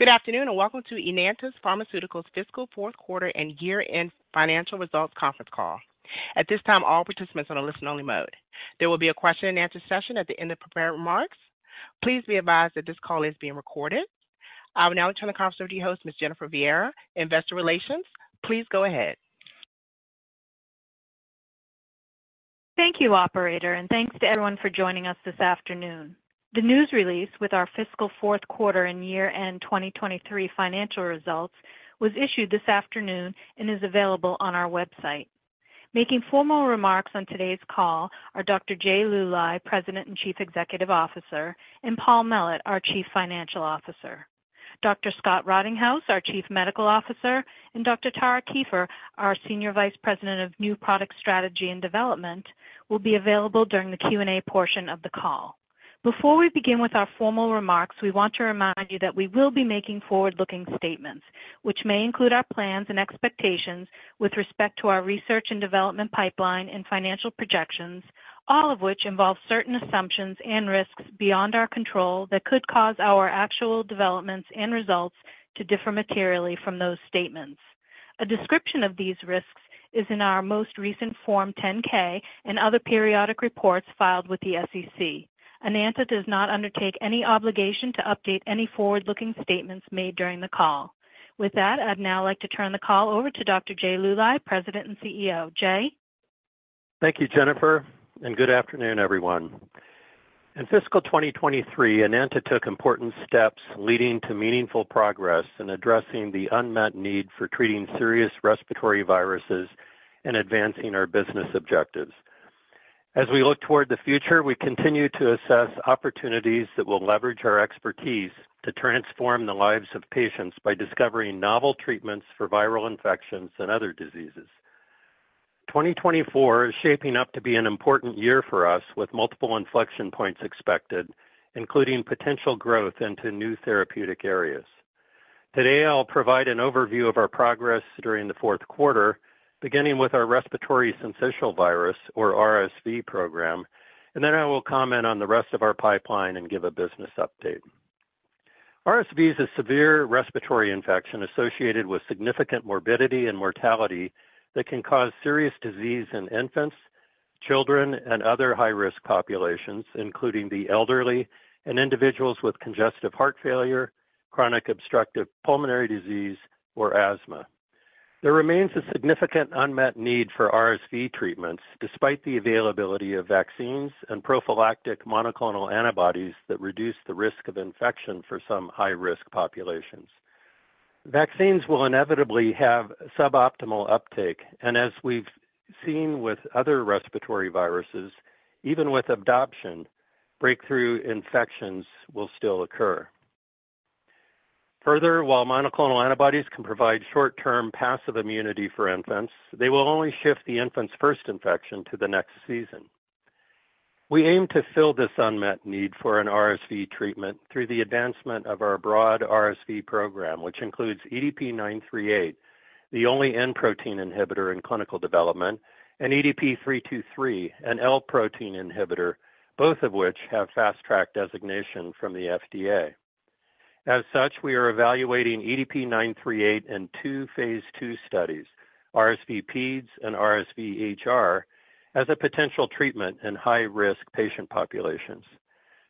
Good afternoon, and welcome to Enanta Pharmaceuticals' Fiscal Fourth Quarter and Year-End Financial Results Conference Call. At this time, all participants are on a listen-only mode. There will be a question-and-answer session at the end of prepared remarks. Please be advised that this call is being recorded. I will now turn the conference over to you, host, Ms. Jennifer Viera, Investor Relations. Please go ahead. Thank you, operator, and thanks to everyone for joining us this afternoon. The news release with our fiscal fourth quarter and year-end 2023 financial results was issued this afternoon and is available on our website. Making formal remarks on today's call are Dr. Jay Luly, President and Chief Executive Officer, and Paul Mellett, our Chief Financial Officer. Dr. Scott Rottinghaus, our Chief Medical Officer, and Dr. Tara Kieffer, our Senior Vice President of New Product Strategy and Development, will be available during the Q&A portion of the call. Before we begin with our formal remarks, we want to remind you that we will be making forward-looking statements, which may include our plans and expectations with respect to our research and development pipeline and financial projections, all of which involve certain assumptions and risks beyond our control that could cause our actual developments and results to differ materially from those statements. A description of these risks is in our most recent Form 10-K and other periodic reports filed with the SEC. Enanta does not undertake any obligation to update any forward-looking statements made during the call. With that, I'd now like to turn the call over to Dr. Jay Luly, President and CEO. Jay? Thank you, Jennifer, and good afternoon, everyone. In fiscal 2023, Enanta took important steps leading to meaningful progress in addressing the unmet need for treating serious respiratory viruses and advancing our business objectives. As we look toward the future, we continue to assess opportunities that will leverage our expertise to transform the lives of patients by discovering novel treatments for viral infections and other diseases. 2024 is shaping up to be an important year for us, with multiple inflection points expected, including potential growth into new therapeutic areas. Today, I'll provide an overview of our progress during the fourth quarter, beginning with our respiratory syncytial virus, or RSV program, and then I will comment on the rest of our pipeline and give a business update. RSV is a severe respiratory infection associated with significant morbidity and mortality that can cause serious disease in infants, children, and other high-risk populations, including the elderly and individuals with congestive heart failure, chronic obstructive pulmonary disease, or asthma. There remains a significant unmet need for RSV treatments, despite the availability of vaccines and prophylactic monoclonal antibodies that reduce the risk of infection for some high-risk populations. Vaccines will inevitably have suboptimal uptake, and as we've seen with other respiratory viruses, even with adoption, breakthrough infections will still occur. Further, while monoclonal antibodies can provide short-term passive immunity for infants, they will only shift the infant's first infection to the next season. We aim to fill this unmet need for an RSV treatment through the advancement of our broad RSV program, which includes EDP-938, the only N-protein inhibitor in clinical development, and EDP-323, an L-protein inhibitor, both of which have Fast Track designation from the FDA. As such, we are evaluating EDP-938 in two phase II studies, RSVPEDs and RSV-HR, as a potential treatment in high-risk patient populations.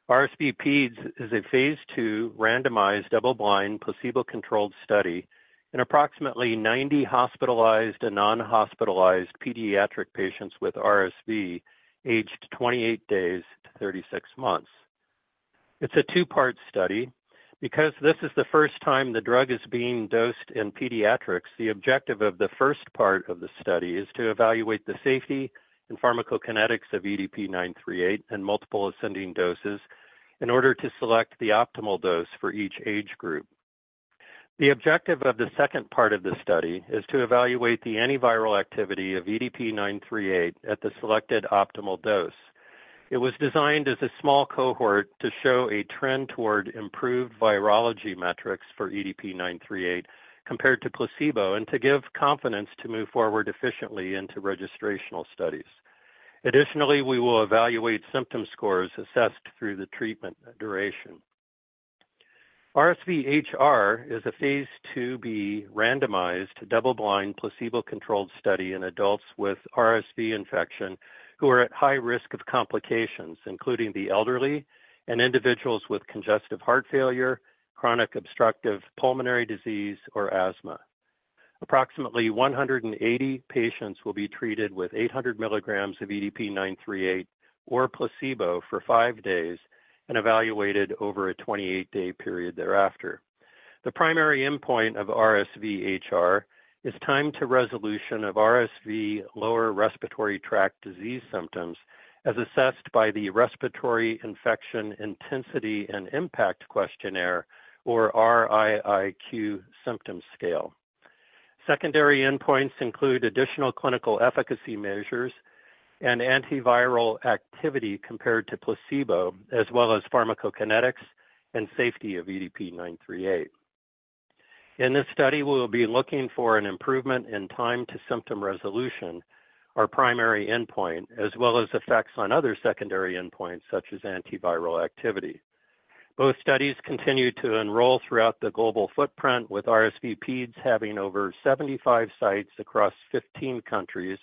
RSVPEDs is a phase II randomized, double-blind, placebo-controlled study in approximately 90 hospitalized and non-hospitalized pediatric patients with RSV, aged 28 days-36 months. It's a two-part study. Because this is the first time the drug is being dosed in pediatrics, the objective of the first part of the study is to evaluate the safety and pharmacokinetics of EDP-938 and multiple ascending doses in order to select the optimal dose for each age group. The objective of the second part of the study is to evaluate the antiviral activity of EDP-938 at the selected optimal dose. It was designed as a small cohort to show a trend toward improved virology metrics for EDP-938 compared to placebo, and to give confidence to move forward efficiently into registrational studies. Additionally, we will evaluate symptom scores assessed through the treatment duration. RSV-HR is a phase II-B randomized, double-blind, placebo-controlled study in adults with RSV infection who are at high risk of complications, including the elderly and individuals with congestive heart failure, chronic obstructive pulmonary disease, or asthma. Approximately 180 patients will be treated with 800 mg of EDP-938 or placebo for five days and evaluated over a 28-day period thereafter. The primary endpoint of RSV-HR is time to resolution of RSV lower respiratory tract disease symptoms, as assessed by the respiratory infection intensity and impact questionnaire, or RIIQ symptom scale. Secondary endpoints include additional clinical efficacy measures and antiviral activity compared to placebo, as well as pharmacokinetics and safety of EDP-938. In this study, we will be looking for an improvement in time to symptom resolution, our primary endpoint, as well as effects on other secondary endpoints such as antiviral activity. Both studies continue to enroll throughout the global footprint, with RSVPEDs having over 75 sites across 15 countries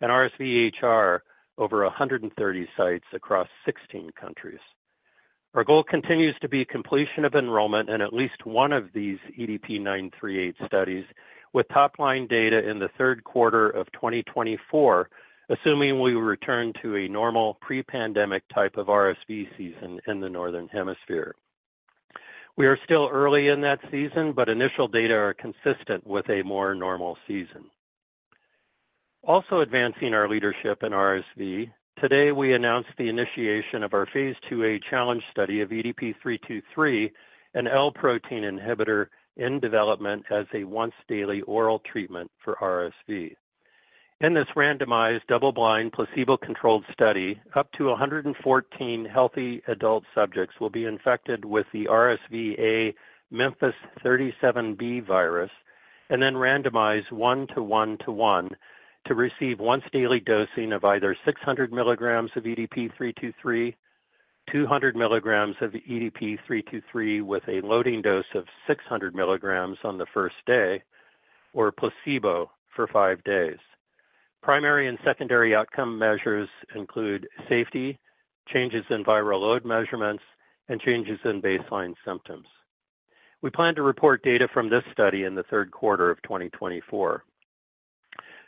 and RSV-HR over 130 sites across 16 countries. Our goal continues to be completion of enrollment in at least one of these EDP-938 studies, with top-line data in the third quarter of 2024, assuming we return to a normal pre-pandemic type of RSV season in the Northern Hemisphere. We are still early in that season, but initial data are consistent with a more normal season. Also advancing our leadership in RSV, today, we announced the initiation of our phase II-A challenge study of EDP-323, an L-protein inhibitor in development as a once-daily oral treatment for RSV. In this randomized, double-blind, placebo-controlled study, up to 114 healthy adult subjects will be infected with the RSV-A Memphis 37b virus and then randomized 1:1 to receive once daily dosing of either 600 mg of EDP-323, 200 milligrams of EDP-323, with a loading dose of 600 mg on the first day, or placebo for five days. Primary and secondary outcome measures include safety, changes in viral load measurements, and changes in baseline symptoms. We plan to report data from this study in the third quarter of 2024.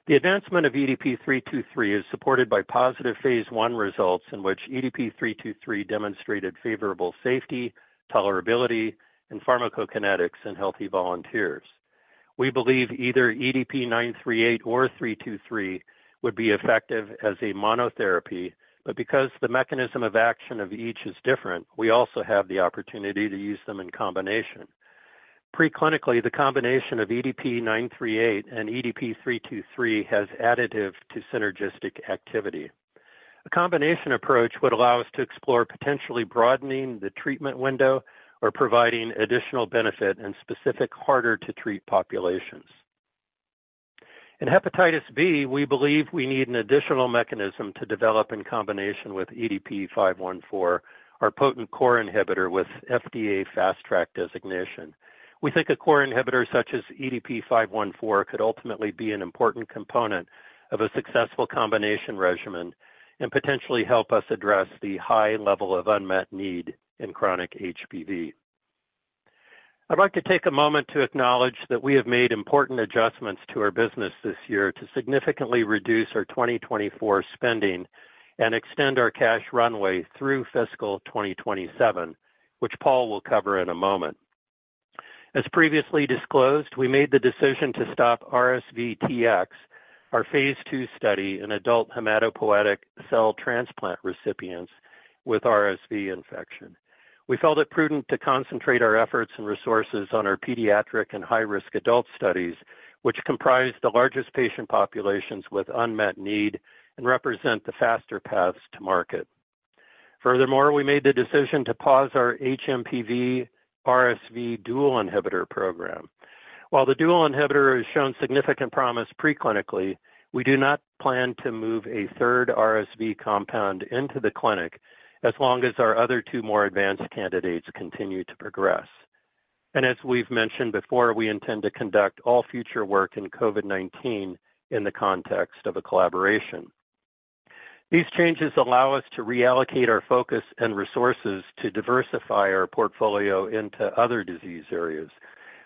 The advancement of EDP-323 is supported by positive phase I results, in which EDP-323 demonstrated favorable safety, tolerability, and pharmacokinetics in healthy volunteers. We believe either EDP-938 or EDP-323 would be effective as a monotherapy, but because the mechanism of action of each is different, we also have the opportunity to use them in combination. Pre-clinically, the combination of EDP-938 and EDP-323 has additive to synergistic activity. A combination approach would allow us to explore potentially broadening the treatment window or providing additional benefit in specific, harder-to-treat populations. In hepatitis B, we believe we need an additional mechanism to develop in combination with EDP-514, our potent core inhibitor with FDA Fast Track designation. We think a core inhibitor such as EDP-514 could ultimately be an important component of a successful combination regimen and potentially help us address the high level of unmet need in chronic HBV. I'd like to take a moment to acknowledge that we have made important adjustments to our business this year to significantly reduce our 2024 spending and extend our cash runway through fiscal 2027, which Paul will cover in a moment. As previously disclosed, we made the decision to stop RSVTx, our phase II study in adult hematopoietic cell transplant recipients with RSV infection. We felt it prudent to concentrate our efforts and resources on our pediatric and high-risk adult studies, which comprise the largest patient populations with unmet need and represent the faster paths to market. Furthermore, we made the decision to pause our HMPV RSV dual inhibitor program. While the dual inhibitor has shown significant promise pre-clinically, we do not plan to move a third RSV compound into the clinic as long as our other two more advanced candidates continue to progress. As we've mentioned before, we intend to conduct all future work in COVID-19 in the context of a collaboration. These changes allow us to reallocate our focus and resources to diversify our portfolio into other disease areas.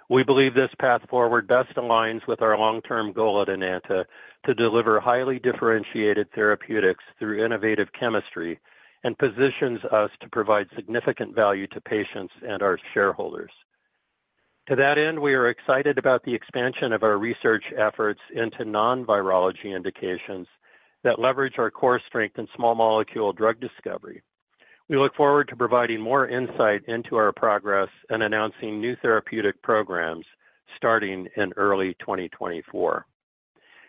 We believe this path forward best aligns with our long-term goal at Enanta to deliver highly differentiated therapeutics through innovative chemistry and positions us to provide significant value to patients and our shareholders. To that end, we are excited about the expansion of our research efforts into non-virology indications that leverage our core strength in small molecule drug discovery. We look forward to providing more insight into our progress and announcing new therapeutic programs starting in early 2024.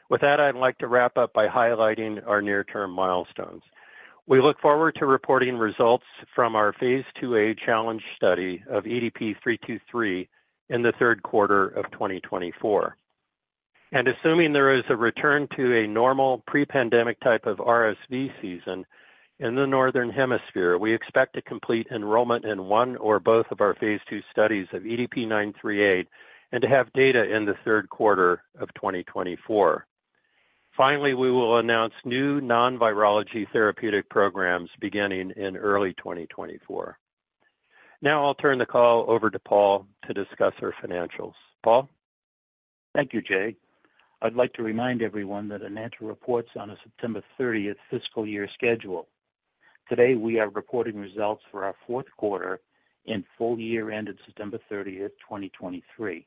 With that, I'd like to wrap up by highlighting our near-term milestones. We look forward to reporting results from our phase II-A challenge study of EDP-323 in the third quarter of 2024. Assuming there is a return to a normal pre-pandemic type of RSV season in the Northern Hemisphere, we expect to complete enrollment in one or both of our phase II studies of EDP-938 and to have data in the third quarter of 2024. Finally, we will announce new non-virology therapeutic programs beginning in early 2024. Now I'll turn the call over to Paul to discuss our financials. Paul? Thank you, Jay. I'd like to remind everyone that Enanta reports on a September 30th fiscal year schedule. Today, we are reporting results for our fourth quarter and full year ended September 30th, 2023.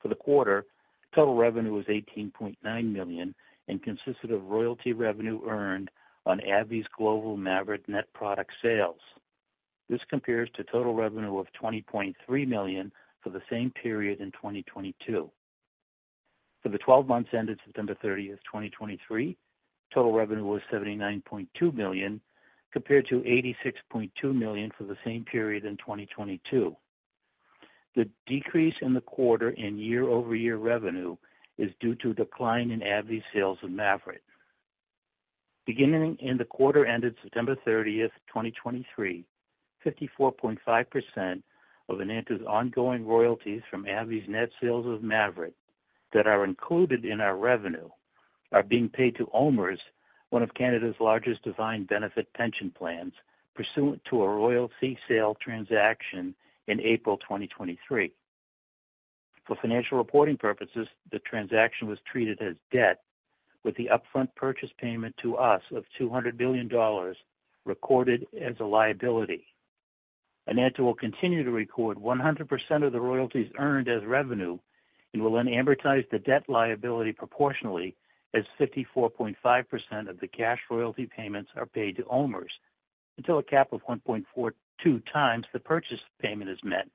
For the quarter, total revenue was $18.9 million and consisted of royalty revenue earned on AbbVie's global MAVYRET net product sales. This compares to total revenue of $20.3 million for the same period in 2022. For the twelve months ended September 30, 2023, total revenue was $79.2 million, compared to $86.2 million for the same period in 2022. The decrease in the quarter in year-over-year revenue is due to a decline in AbbVie's sales of MAVYRET. Beginning in the quarter ended September 30th, 2023, 54.5% of Enanta's ongoing royalties from AbbVie's net sales of MAVYRET, that are included in our revenue, are being paid to OMERS, one of Canada's largest defined benefit pension plans, pursuant to a royalty sale transaction in April 2023. For financial reporting purposes, the transaction was treated as debt, with the upfront purchase payment to us of $200 million recorded as a liability. Enanta will continue to record 100% of the royalties earned as revenue and will then amortize the debt liability proportionally as 54.5% of the cash royalty payments are paid to OMERS until a cap of 1.42x the purchase payment is met,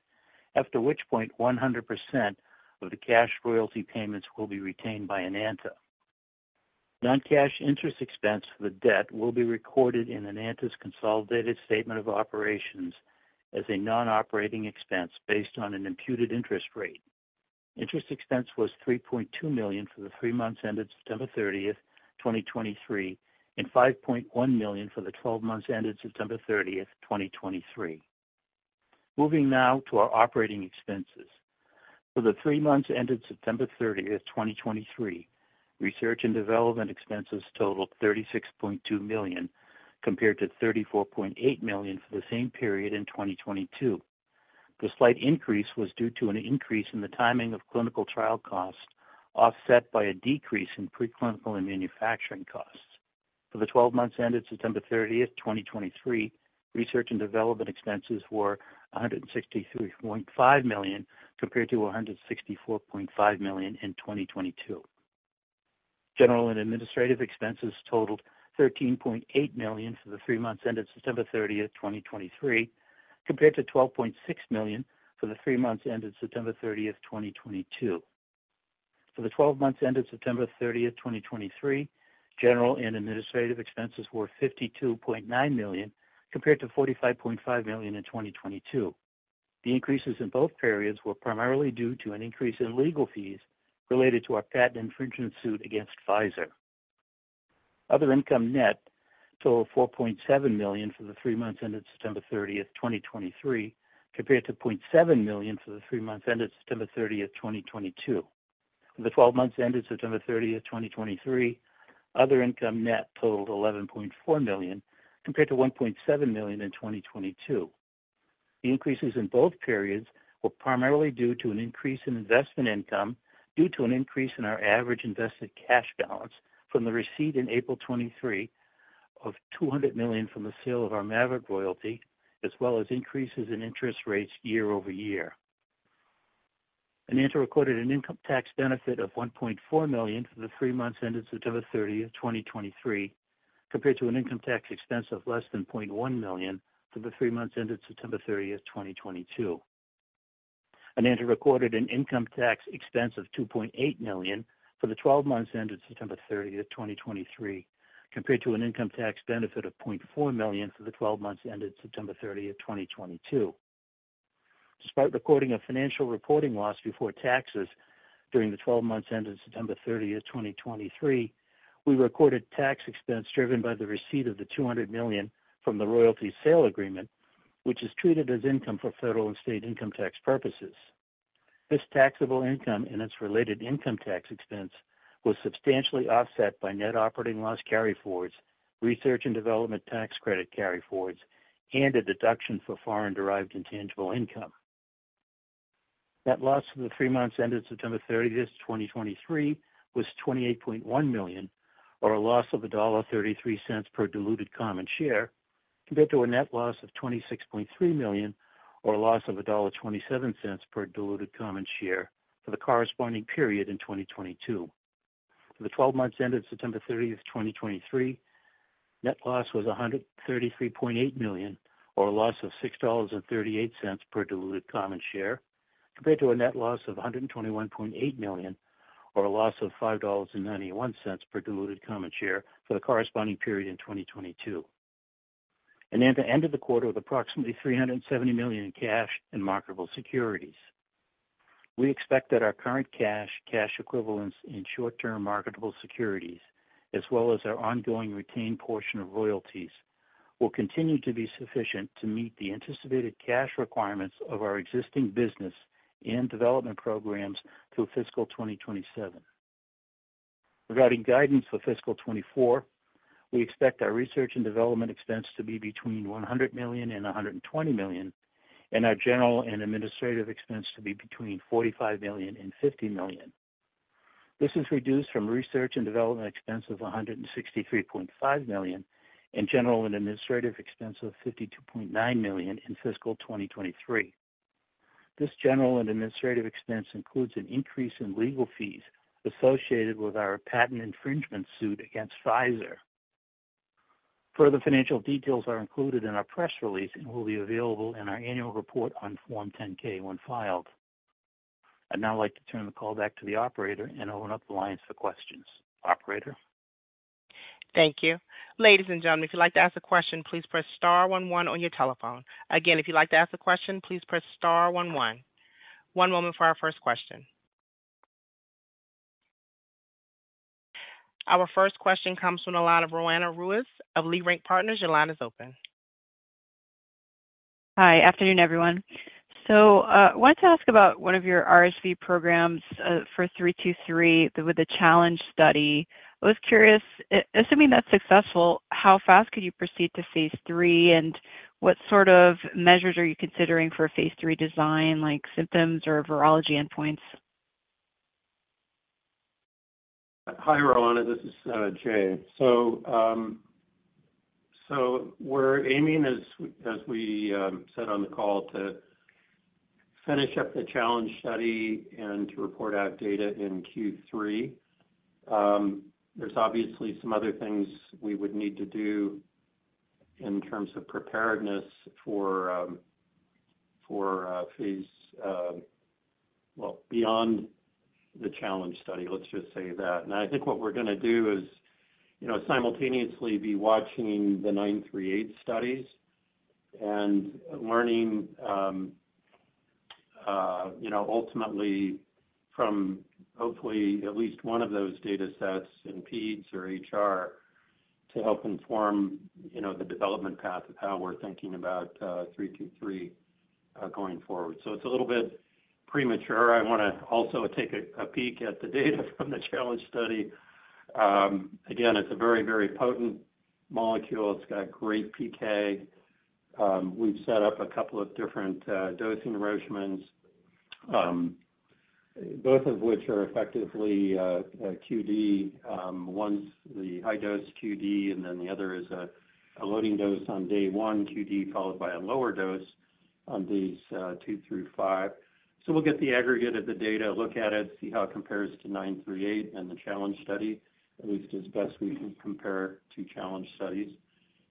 after which point 100% of the cash royalty payments will be retained by Enanta. Non-cash interest expense for the debt will be recorded in Enanta's consolidated statement of operations as a non-operating expense based on an imputed interest rate. Interest expense was $3.2 million for the three months ended September 30th, 2023, and $5.1 million for the 12 months ended September 30th, 2023. Moving now to our operating expenses. For the three months ended September 30th, 2023, research and development expenses totaled $36.2 million, compared to $34.8 million for the same period in 2022. The slight increase was due to an increase in the timing of clinical trial costs, offset by a decrease in preclinical and manufacturing costs. For the 12 months ended September 30th, 2023, research and development expenses were $163.5 million, compared to $164.5 million in 2022. General and administrative expenses totaled $13.8 million for the three months ended September 30th, 2023, compared to $12.6 million for the three months ended September 30th, 2022. For the 12 months ended September 30th, 2023, general and administrative expenses were $52.9 million, compared to $45.5 million in 2022. The increases in both periods were primarily due to an increase in legal fees related to our patent infringement suit against Pfizer. Other income net totaled $4.7 million for the three months ended September 30th, 2023, compared to $0.7 million for the three months ended September 30th, 2022. For the 12 months ended September 30th, 2023, other income net totaled $11.4 million, compared to $1.7 million in 2022. The increases in both periods were primarily due to an increase in investment income due to an increase in our average invested cash balance from the receipt in April 2023 of $200 million from the sale of our MAVYRET royalty, as well as increases in interest rates year-over-year. Enanta recorded an income tax benefit of $1.4 million for the three months ended September 30th, 2023, compared to an income tax expense of less than $0.1 million for the three months ended September 30th, 2022. Enanta recorded an income tax expense of $2.8 million for the twelve months ended September 30th, 2023, compared to an income tax benefit of $0.4 million for the twelve months ended September 30th, 2022. Despite recording a financial reporting loss before taxes during the 12 months ended September 30th, 2023, we recorded tax expense driven by the receipt of the $200 million from the royalty sale agreement, which is treated as income for federal and state income tax purposes. This taxable income and its related income tax expense was substantially offset by net operating loss carryforwards, research and development tax credit carryforwards, and a deduction for foreign-derived intangible income. Net loss for the three months ended September 30th, 2023, was $28.1 million, or a loss of $1.33 per diluted common share, compared to a net loss of $26.3 million, or a loss of $1.27 per diluted common share for the corresponding period in 2022. For the twelve months ended September 30th, 2023, net loss was $133.8 million, or a loss of $6.38 per diluted common share, compared to a net loss of $121.8 million, or a loss of $5.91 per diluted common share for the corresponding period in 2022. Enanta ended the quarter with approximately $370 million in cash and marketable securities. We expect that our current cash, cash equivalents, and short-term marketable securities, as well as our ongoing retained portion of royalties, will continue to be sufficient to meet the anticipated cash requirements of our existing business and development programs through fiscal 2027. Regarding guidance for fiscal 2024, we expect our research and development expense to be between $100 million and $120 million, and our general and administrative expense to be between $45 million and $50 million. This is reduced from research and development expense of $163.5 million, and general and administrative expense of $52.9 million in fiscal 2023. This general and administrative expense includes an increase in legal fees associated with our patent infringement suit against Pfizer. Further financial details are included in our press release and will be available in our annual report on Form 10-K, when filed. I'd now like to turn the call back to the operator and open up the lines for questions. Operator? Thank you. Ladies and gentlemen, if you'd like to ask a question, please press star one one on your telephone. Again, if you'd like to ask a question, please press star one one. One moment for our first question. Our first question comes from the line of Roanna Ruiz of Leerink Partners. Your line is open. Hi, afternoon, everyone. So, wanted to ask about one of your RSV programs, for EDP-323, with the challenge study. I was curious, assuming that's successful, how fast could you proceed to phase III, and what sort of measures are you considering for phase III design, like symptoms or virology endpoints? Hi, Roanna, this is Jay. So, so we're aiming, as we said on the call, to finish up the challenge study and to report out data in Q3. There's obviously some other things we would need to do in terms of preparedness for a phase. Well, beyond the challenge study, let's just say that. And I think what we're gonna do is, you know, simultaneously be watching the 938 studies and learning, you know, ultimately from hopefully at least one of those data sets in Peds or HR to help inform, you know, the development path of how we're thinking about 323 going forward. So it's a little bit premature. I wanna also take a peek at the data from the challenge study. Again, it's a very, very potent molecule. It's got great PK. We've set up a couple of different dosing regimens, both of which are effectively QD. One's the high dose QD, and then the other is a loading dose on day one, QD, followed by a lower dose on days two through five. So we'll get the aggregate of the data, look at it, see how it compares to EDP-938 and the challenge study, at least as best we can compare two challenge studies.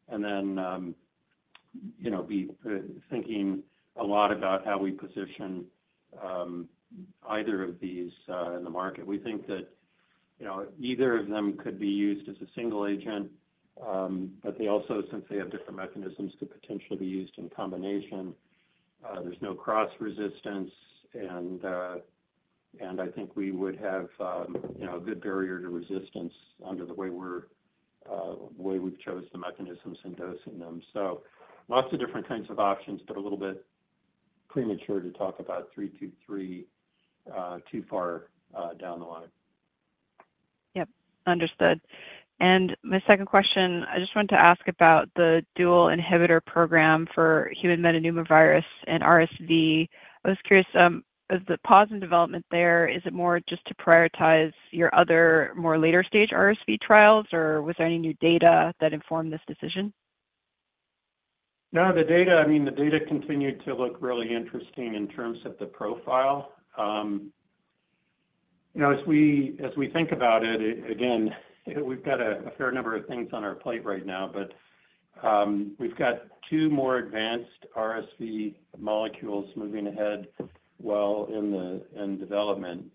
And then, you know, be thinking a lot about how we position either of these in the market. We think that, you know, either of them could be used as a single agent, but they also, since they have different mechanisms, could potentially be used in combination. There's no cross resistance, and I think we would have, you know, a good barrier to resistance under the way we've chose the mechanisms in dosing them. So lots of different kinds of options, but a little bit premature to talk about 323, too far down the line. Yep. Understood. My second question, I just wanted to ask about the dual inhibitor program for human metapneumovirus and RSV. I was curious, as the pause in development there, is it more just to prioritize your other more later stage RSV trials, or was there any new data that informed this decision? No, the data, I mean, the data continued to look really interesting in terms of the profile. You know, as we think about it, again, we've got a fair number of things on our plate right now, but we've got two more advanced RSV molecules moving ahead well in development.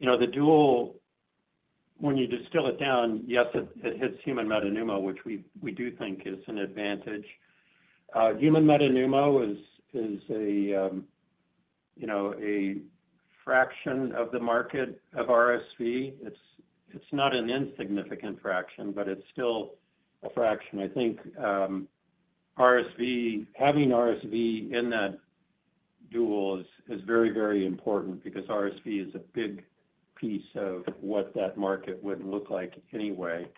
You know, the dual, when you distill it down, yes, it hits human metapneumovirus, which we do think is an advantage. Human metapneumovirus is a fraction of the market of RSV. It's not an insignificant fraction, but it's still a fraction. I think RSV, having RSV in that dual is very important because RSV is a big piece of what that market would look like anyway.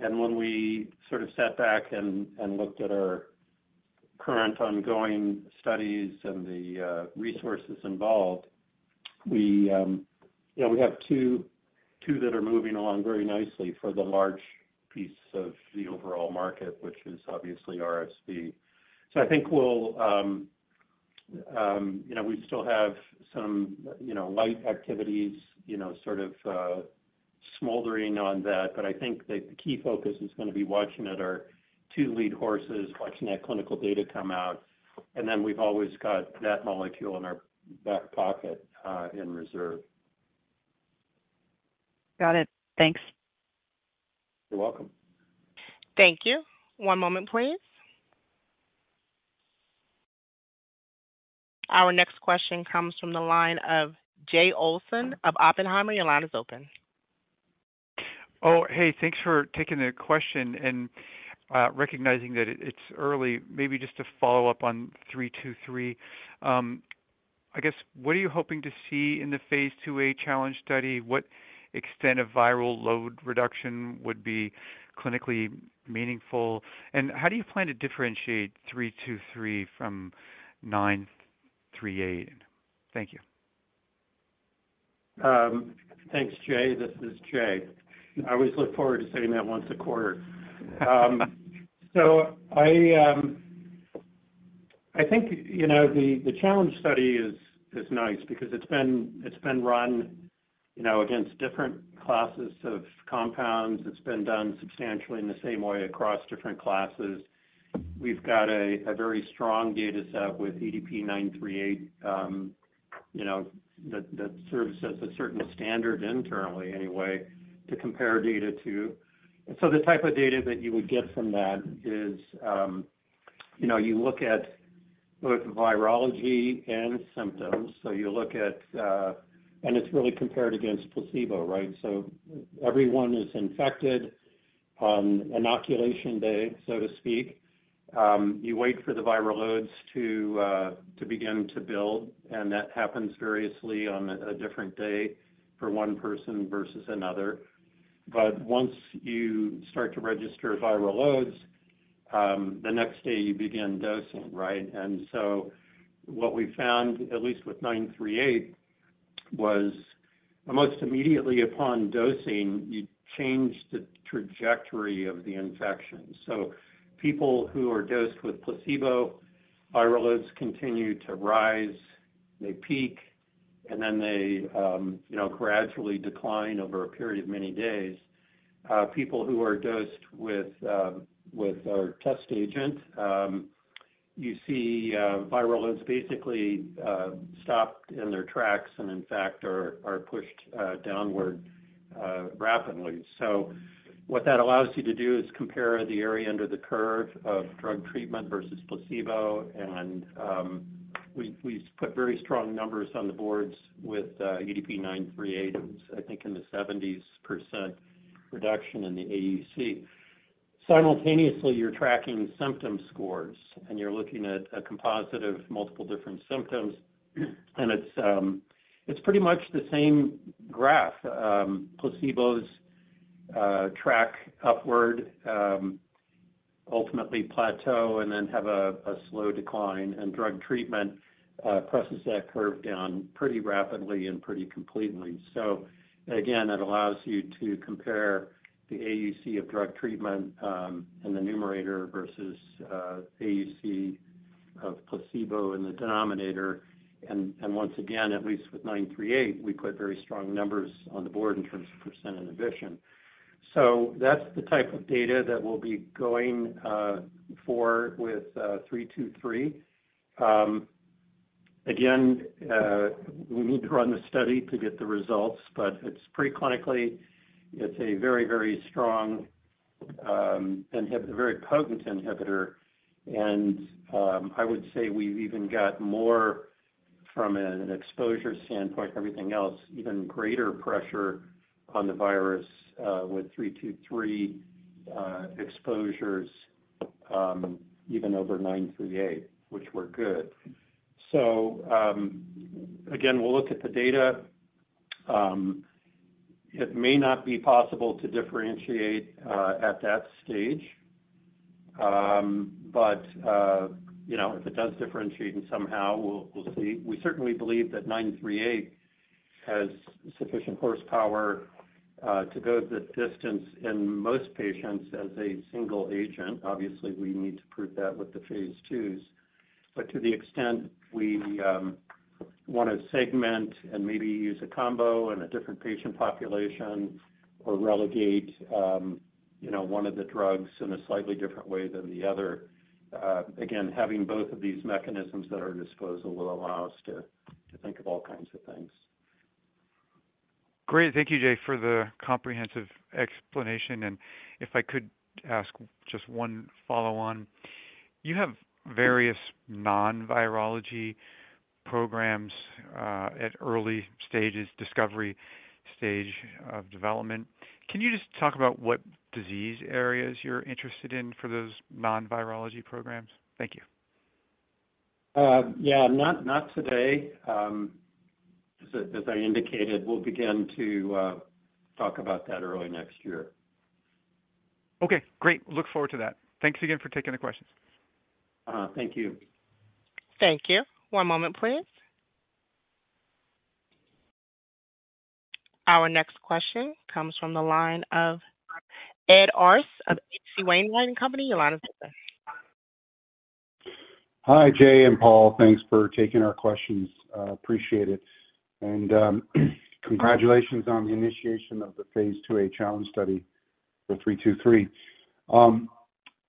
And when we sort of sat back and looked at our current ongoing studies and the resources involved, we, you know, we have two, two that are moving along very nicely for the large piece of the overall market, which is obviously RSV. So I think we'll, you know, we still have some, you know, light activities, you know, sort of smoldering on that, but I think that the key focus is gonna be watching at our two lead horses, watching that clinical data come out, and then we've always got that molecule in our back pocket in reserve. Got it. Thanks. You're welcome. Thank you. One moment, please. Our next question comes from the line of Jay Olson of Oppenheimer. Your line is open. Oh, hey, thanks for taking the question and recognizing that it, it's early. Maybe just to follow up on 323, I guess, what are you hoping to see in the phase II-A challenge study? What extent of viral load reduction would be clinically meaningful? And how do you plan to differentiate 323 from 938? Thank you. Thanks, Jay. This is Jay. I always look forward to saying that once a quarter. I think, you know, the challenge study is nice because it's been run, you know, against different classes of compounds. It's been done substantially in the same way across different classes. We've got a very strong data set with EDP-938, you know, that serves as a certain standard internally anyway, to compare data to. So the type of data that you would get from that is, you know, you look at both virology and symptoms. So you look at, and it's really compared against placebo, right? So everyone is infected on inoculation day, so to speak. You wait for the viral loads to begin to build, and that happens variously on a different day for one person versus another. But once you start to register viral loads, the next day you begin dosing, right? And so what we found, at least with 938, was almost immediately upon dosing, you change the trajectory of the infection. So people who are dosed with placebo, viral loads continue to rise, they peak, and then they, you know, gradually decline over a period of many days. People who are dosed with our test agent, you see, viral loads basically stopped in their tracks, and in fact, are pushed downward rapidly. So what that allows you to do is compare the area under the curve of drug treatment versus placebo, and we put very strong numbers on the boards with EDP-938. It's I think, in the 70s% reduction in the AUC. Simultaneously, you're tracking symptom scores, and you're looking at a composite of multiple different symptoms, and it's pretty much the same graph. Placebos track upward, ultimately plateau, and then have a slow decline, and drug treatment presses that curve down pretty rapidly and pretty completely. So again, it allows you to compare the AUC of drug treatment in the numerator versus AUC of placebo in the denominator. And once again, at least with 938, we put very strong numbers on the board in terms of percentage inhibition. So that's the type of data that we'll be going for with 323. Again, we need to run the study to get the results, but it's pre-clinically a very, very strong, a very potent inhibitor. And I would say we've even got more from an exposure standpoint than everything else, even greater pressure on the virus, with 323, exposures, even over 938, which were good. So again, we'll look at the data. It may not be possible to differentiate at that stage. But you know, if it does differentiate somehow, we'll see. We certainly believe that 938 has sufficient horsepower to go the distance in most patients as a single agent. Obviously, we need to prove that with the phase II. But to the extent we want to segment and maybe use a combo in a different patient population or relegate, you know, one of the drugs in a slightly different way than the other, again, having both of these mechanisms at our disposal will allow us to think of all kinds of things. Great. Thank you, Jay, for the comprehensive explanation, and if I could ask just one follow-on. You have various non-virology programs at early stages, discovery stage of development. Can you just talk about what disease areas you're interested in for those non-virology programs? Thank you. Yeah, not today. As I indicated, we'll begin to talk about that early next year. Okay, great. Look forward to that. Thanks again for taking the questions. Thank you. Thank you. One moment, please. Our next question comes from the line of Ed Arce of H.C. Wainwright & Company. Your line is open. Hi, Jay and Paul. Thanks for taking our questions. Appreciate it. And congratulations on the initiation of the phase II-A challenge study for 323.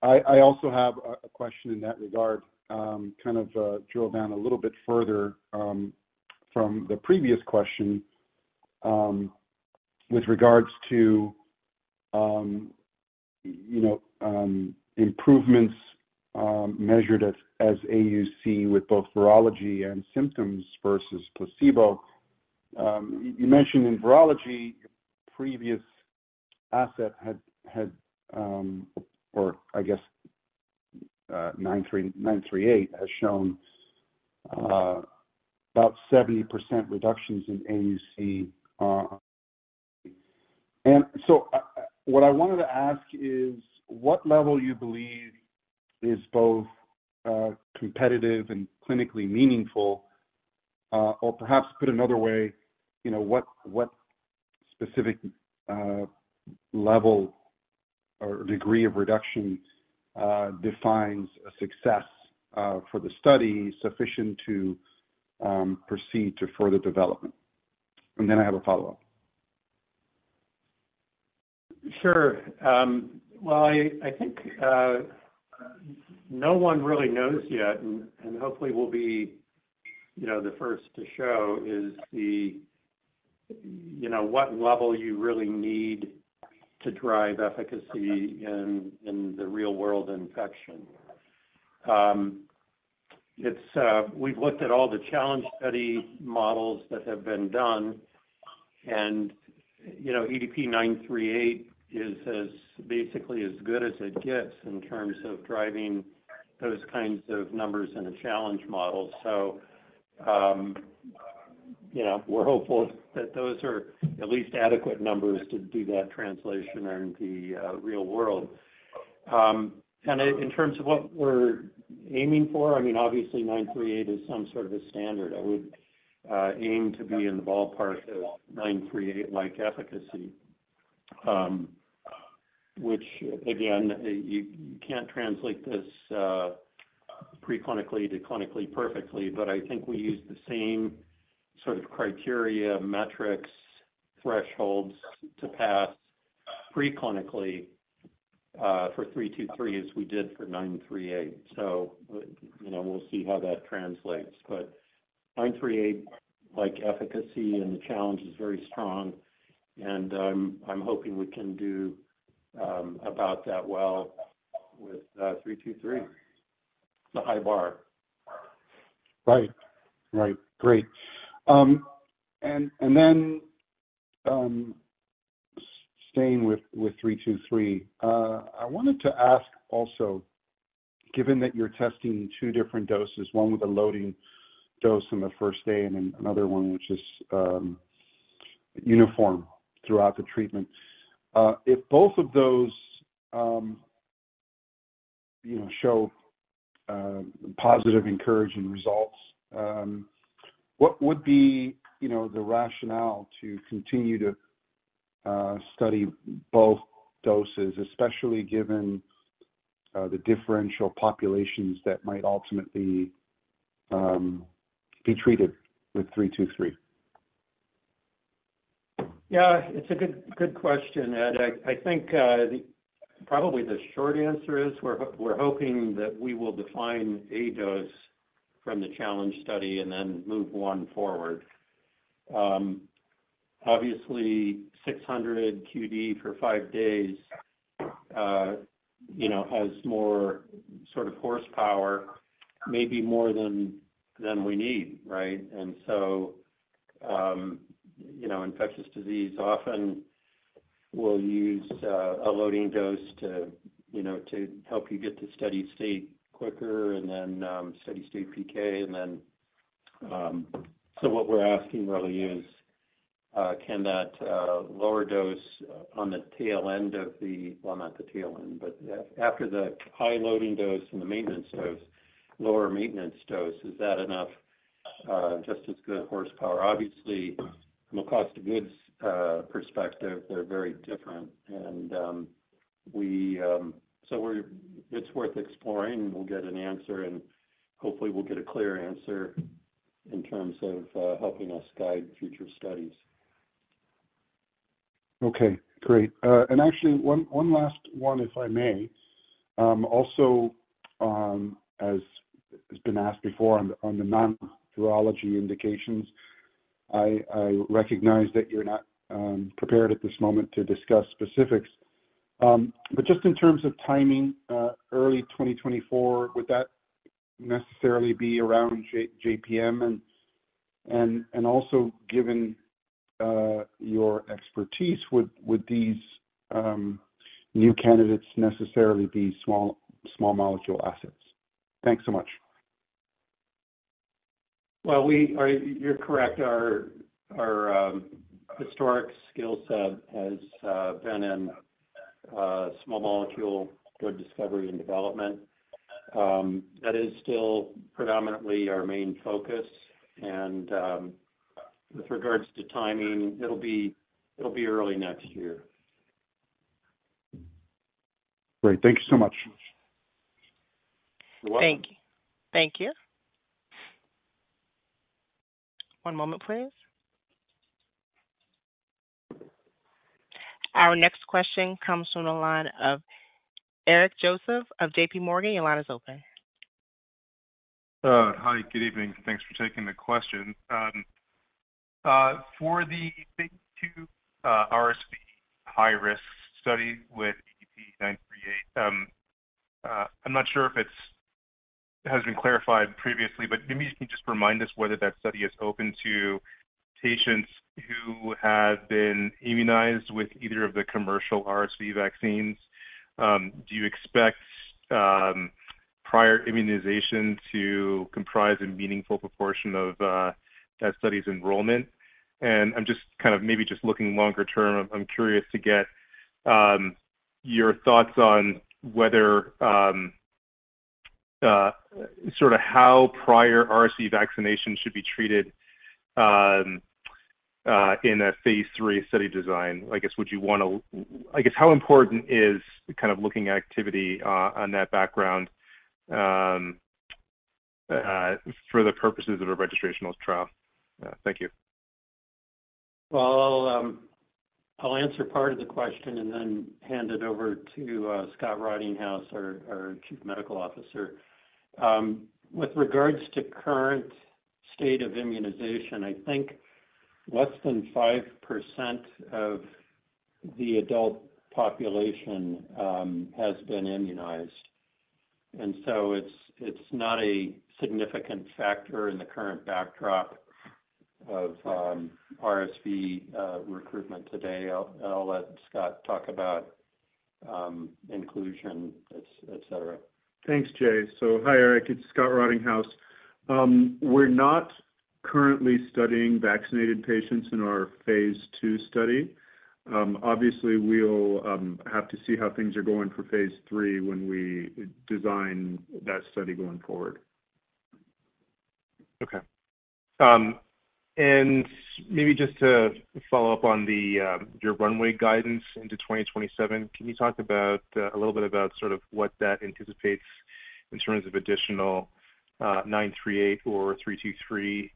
I also have a question in that regard. Kind of drill down a little bit further from the previous question with regards to you know improvements measured as AUC with both virology and symptoms versus placebo. You mentioned in virology, your previous asset had or I guess 938 has shown about 70% reductions in AUC. And so what I wanted to ask is, what level you believe is both competitive and clinically meaningful? Or perhaps put another way, you know, what specific level... or degree of reduction, defines a success, for the study sufficient to, proceed to further development? And then I have a follow-up. Sure. Well, I, I think, no one really knows yet, and, and hopefully we'll be, you know, the first to show, is the, you know, what level you really need to drive efficacy in, in the real world infection. It's, we've looked at all the challenge study models that have been done, and, you know, EDP-938 is as basically as good as it gets in terms of driving those kinds of numbers in a challenge model. So, you know, we're hopeful that those are at least adequate numbers to do that translation in the, real world. And in terms of what we're aiming for, I mean, obviously, 938 is some sort of a standard. I would aim to be in the ballpark of 938-like efficacy, which again, you can't translate this preclinically to clinically perfectly, but I think we use the same sort of criteria, metrics, thresholds to pass preclinically for 323 as we did for 938. So, you know, we'll see how that translates. But 938, like, efficacy in the challenge, is very strong, and I'm hoping we can do about that well with 323. It's a high bar. Right. Right. Great. And then, staying with 323, I wanted to ask also, given that you're testing two different doses, one with a loading dose on the first day and then another one, which is uniform throughout the treatment. If both of those, you know, show positive, encouraging results, what would be, you know, the rationale to continue to study both doses, especially given the differential populations that might ultimately be treated with 323? Yeah, it's a good, good question, Ed. I think probably the short answer is we're hoping that we will define a dose from the challenge study and then move one forward. Obviously, 600 QD for 5 days, you know, has more sort of horsepower, maybe more than we need, right? And so, you know, infectious disease often will use a loading dose to, you know, to help you get to steady state quicker and then steady-state PK. And then, so what we're asking really is, can that lower dose on the tail end of the... Well, not the tail end, but after the high loading dose and the maintenance dose, lower maintenance dose, is that enough just as good horsepower? Obviously, from a cost of goods perspective, they're very different. It's worth exploring, and we'll get an answer, and hopefully, we'll get a clear answer in terms of helping us guide future studies. Okay, great. And actually, one last one, if I may. Also, as has been asked before on the non-virology indications, I recognize that you're not prepared at this moment to discuss specifics. But just in terms of timing, early 2024, would that necessarily be around JPM? And also, given your expertise, would these new candidates necessarily be small molecule assets? Thanks so much. Well, you're correct. Our historic skill set has been in small molecule drug discovery and development. That is still predominantly our main focus. And with regards to timing, it'll be early next year. Great. Thank you so much. You're welcome. Thank you. Thank you. One moment, please. Our next question comes from the line of Eric Joseph of JP Morgan. Your line is open. Hi, good evening. Thanks for taking the question. For the phase II RSV high-risk study with EDP-938, I'm not sure if it has been clarified previously, but maybe you can just remind us whether that study is open to patients who have been immunized with either of the commercial RSV vaccines. Do you expect prior immunization to comprise a meaningful proportion of that study's enrollment? And I'm just kind of maybe just looking longer term, I'm curious to get your thoughts on whether sort of how prior RSV vaccination should be treated in a phase III study design? I guess how important is kind of looking at activity on that background for the purposes of a registrational trial? Thank you. Well, I'll answer part of the question and then hand it over to Scott Rottinghaus, our Chief Medical Officer. With regards to current state of immunization, I think less than 5% of the adult population has been immunized. And so it's not a significant factor in the current backdrop of RSV recruitment today. I'll let Scott talk about inclusion, et cetera. Thanks, Jay. So hi, Eric, it's Scott Rottinghaus. We're not currently studying vaccinated patients in our phase II study. Obviously, we'll have to see how things are going for phase III when we design that study going forward. Okay. And maybe just to follow up on the your runway guidance into 2027, can you talk about a little bit about sort of what that anticipates in terms of additional 938 or 323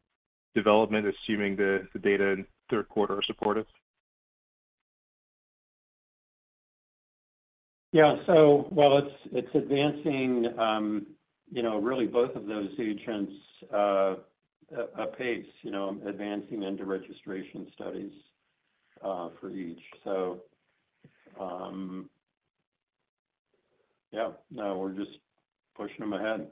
development, assuming the data in third quarter are supportive? Yeah. So while it's advancing, you know, really both of those agents apace, you know, advancing into registration studies for each. So, yeah, no, we're just pushing them ahead.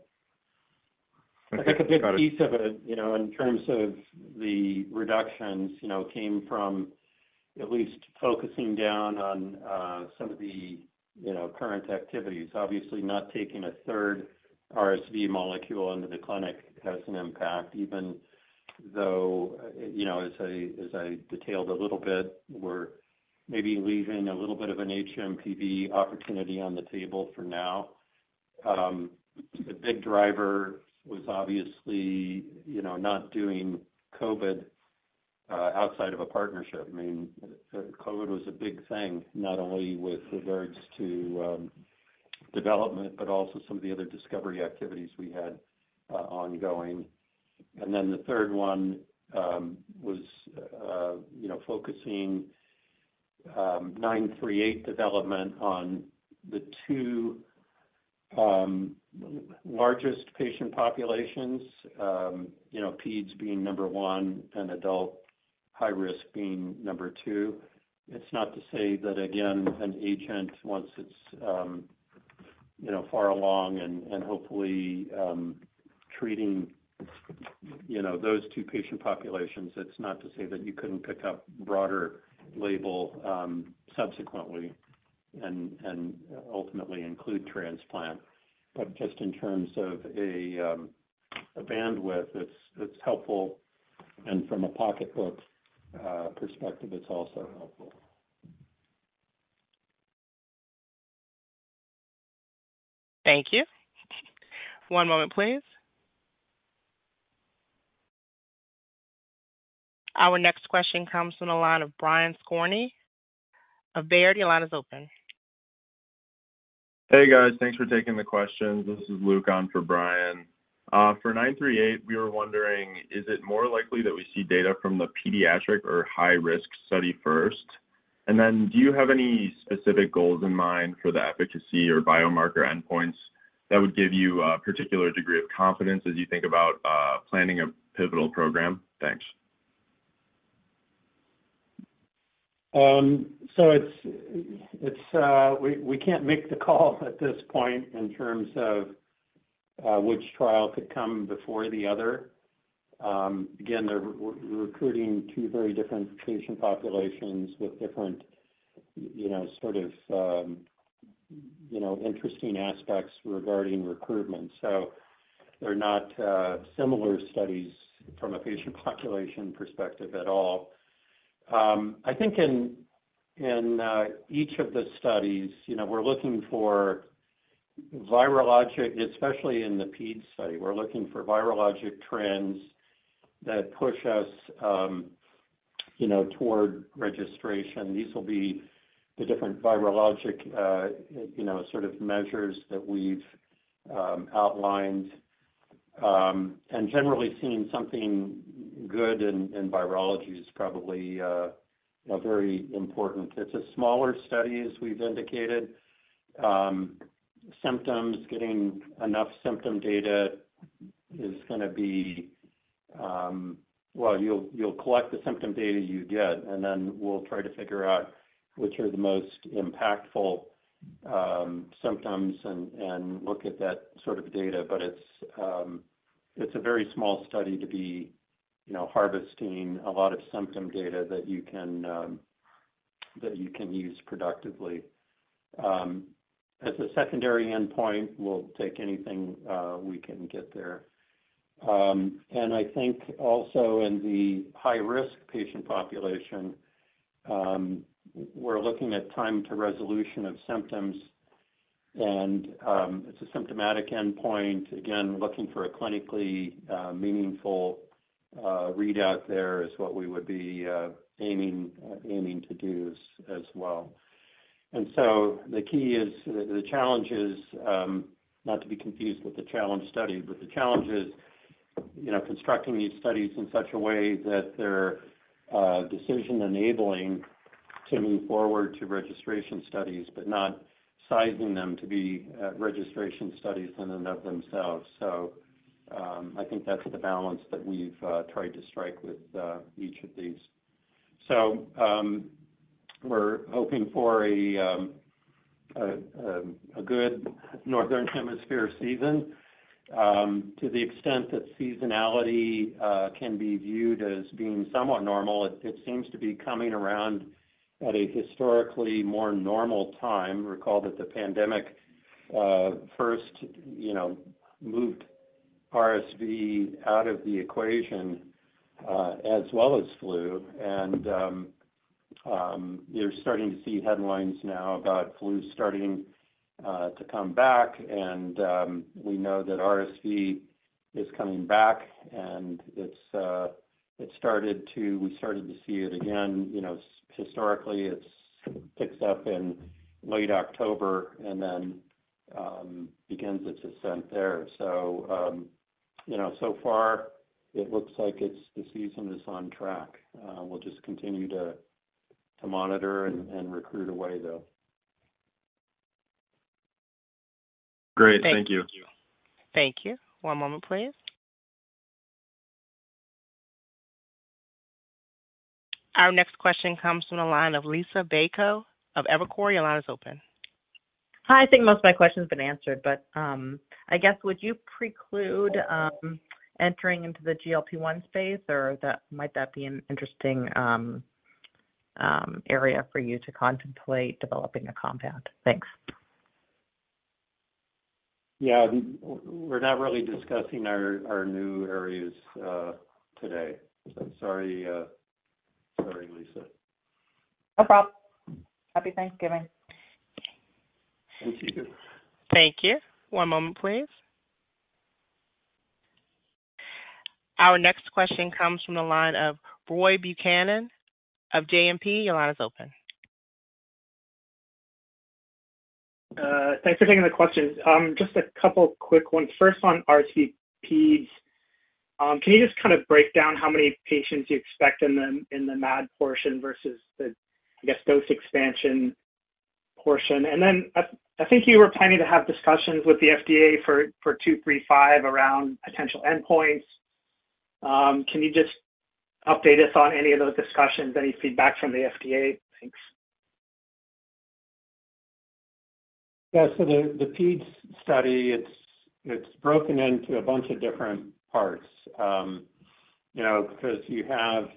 Thank you, Scott. I think a big piece of it, you know, in terms of the reductions, you know, came from at least focusing down on, some of the, you know, current activities. Obviously, not taking a third RSV molecule into the clinic has an impact, even though, you know, as I detailed a little bit, we're maybe leaving a little bit of an hMPV opportunity on the table for now. The big driver was obviously, you know, not doing COVID, outside of a partnership. I mean, COVID was a big thing, not only with regards to, development, but also some of the other discovery activities we had, ongoing. And then the third one was you know focusing 938 development on the two largest patient populations you know peds being number one and adult high risk being number two. It's not to say that again an agent once it's you know far along and hopefully treating you know those two patient populations it's not to say that you couldn't pick up broader label subsequently and ultimately include transplant. But just in terms of a bandwidth it's helpful and from a pocketbook perspective it's also helpful. Thank you. One moment, please. Our next question comes from the line of Brian Skorney of Baird. Your line is open. Hey, guys. Thanks for taking the questions. This is Luke on for Brian. For EDP-938, we were wondering, is it more likely that we see data from the pediatric or high-risk study first? And then do you have any specific goals in mind for the efficacy or biomarker endpoints that would give you a particular degree of confidence as you think about planning a pivotal program? Thanks. So we can't make the call at this point in terms of which trial could come before the other. Again, they're recruiting two very different patient populations with different, you know, sort of, you know, interesting aspects regarding recruitment. So they're not similar studies from a patient population perspective at all. I think in each of the studies, you know, we're looking for virologic, especially in the ped study, we're looking for virologic trends that push us, you know, toward registration. These will be the different virologic, you know, sort of measures that we've outlined. And generally seeing something good in virology is probably, you know, very important. It's a smaller study, as we've indicated. Symptoms, getting enough symptom data is gonna be... Well, you'll collect the symptom data you get, and then we'll try to figure out which are the most impactful symptoms and look at that sort of data. But it's a very small study to be, you know, harvesting a lot of symptom data that you can use productively. As a secondary endpoint, we'll take anything we can get there. And I think also in the high-risk patient population, we're looking at time to resolution of symptoms, and it's a symptomatic endpoint. Again, looking for a clinically meaningful readout there is what we would be aiming to do as well. So the key is, the challenge is not to be confused with the challenge study, but the challenge is, you know, constructing these studies in such a way that they're decision-enabling to move forward to registration studies, but not sizing them to be registration studies in and of themselves. So I think that's the balance that we've tried to strike with each of these. So we're hoping for a good Northern Hemisphere season. To the extent that seasonality can be viewed as being somewhat normal, it seems to be coming around at a historically more normal time. Recall that the pandemic first, you know, moved RSV out of the equation, as well as flu. You're starting to see headlines now about flu starting to come back, and we know that RSV is coming back, and it's We started to see it again. You know, historically, it picks up in late October and then begins its ascent there. So, you know, so far it looks like it's, the season is on track. We'll just continue to monitor and recruit away, though. Great. Thank you. Thank you. One moment, please. Our next question comes from the line of Liisa Bayko of Evercore. Your line is open. Hi, I think most of my question has been answered, but, I guess, would you preclude entering into the GLP-1 space, or that, might that be an interesting area for you to contemplate developing a compound? Thanks. Yeah. We're not really discussing our new areas, sorry, sorry, Liisa. No problem. Happy Thanksgiving. Thank you. Thank you. One moment, please. Our next question comes from the line of Roy Buchanan of JMP. Your line is open. Thanks for taking the questions. Just a couple quick ones. First, on RSVPEDs, can you just kind of break down how many patients you expect in the MAD portion versus the, I guess, dose expansion portion? And then, I think you were planning to have discussions with the FDA for EDP-235 around potential endpoints. Can you just update us on any of those discussions, any feedback from the FDA? Thanks. Yeah. So the Peds study, it's broken into a bunch of different parts, you know, because you have,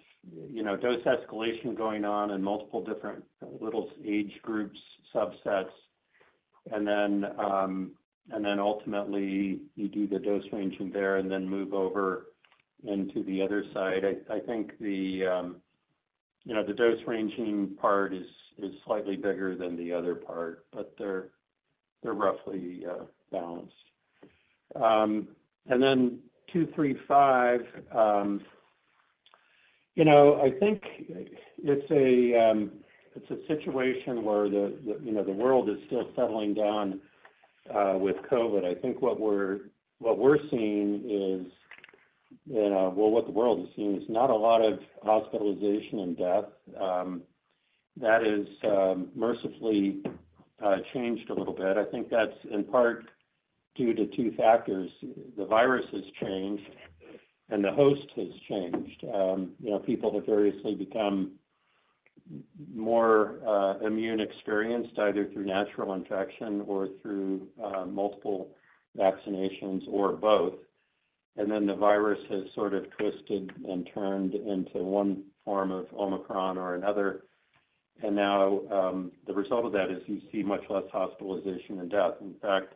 you know, dose escalation going on in multiple different little age groups, subsets, and then and then ultimately you do the dose ranging there and then move over into the other side. I think the, you know, the dose ranging part is slightly bigger than the other part, but they're roughly balanced. And then EDP-235, you know, I think it's a situation where the, you know, the world is still settling down with COVID. I think what we're seeing is, you know, well, what the world is seeing is not a lot of hospitalization and death. That is mercifully changed a little bit. I think that's in part due to two factors. The virus has changed, and the host has changed. You know, people have variously become more immune experienced, either through natural infection or through multiple vaccinations or both. And then the virus has sort of twisted and turned into one form of Omicron or another. And now, the result of that is you see much less hospitalization and death. In fact,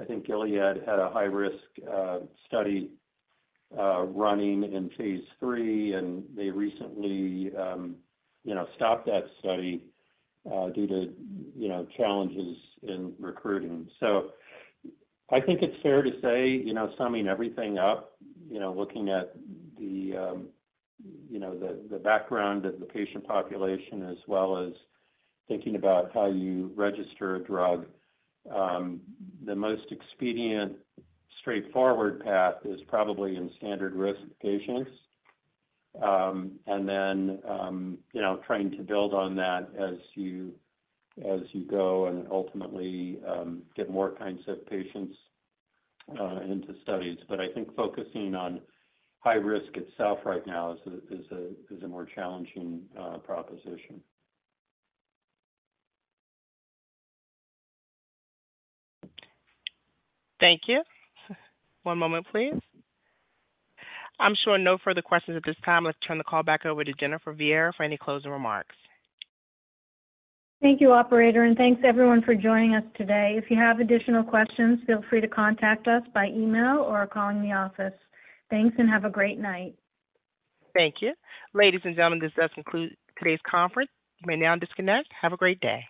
I think Gilead had a high-risk study running in phase three, and they recently, you know, stopped that study due to, you know, challenges in recruiting. So I think it's fair to say, you know, summing everything up, you know, looking at the background of the patient population, as well as thinking about how you register a drug, the most expedient, straightforward path is probably in standard-risk patients. And then, you know, trying to build on that as you go and ultimately get more kinds of patients into studies. But I think focusing on high risk itself right now is a more challenging proposition. Thank you. One moment, please. I'm showing no further questions at this time. Let's turn the call back over to Jennifer Viera for any closing remarks. Thank you, operator, and thanks everyone for joining us today. If you have additional questions, feel free to contact us by email or calling the office. Thanks, and have a great night. Thank you. Ladies and gentlemen, this does conclude today's conference. You may now disconnect. Have a great day.